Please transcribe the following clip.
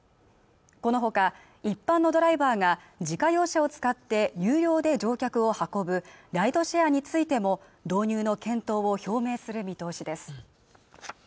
このほか一般のドライバーが自家用車を使って有料で乗客を運ぶライドシェアについても導入の検討を表明する見通しです